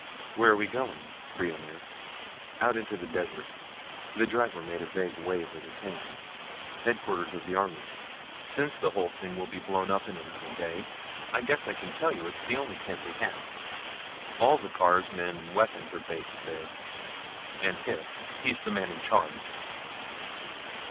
"Where are we going?" Brion asked. "Out into the desert." The driver made a vague wave of his hand. "Headquarters of the army. Since the whole thing will be blown up in another day, I guess I can tell you it's the only camp we have. All the cars, men and weapons are based there. And Hys. He's the man in charge.